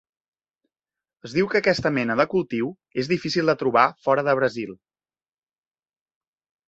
Es diu que aquesta mena de cultiu és difícil de trobar fora de Brasil.